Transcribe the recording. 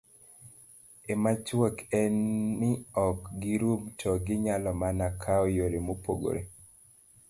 e machuok en ni ok girum to ginyalo mana kawo yore mopogore